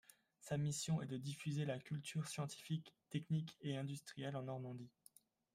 Sa mission est de diffuser la culture scientifique, technique et industrielle en Normandie.